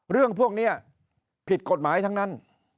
เรื่องพวกนี้ผิดกฎหมายทั้งนั้น